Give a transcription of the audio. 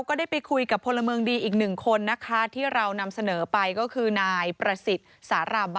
ขอคุมเขาครับ